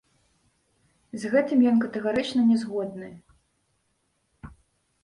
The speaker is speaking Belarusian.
З гэтым ён катэгарычна не згодны.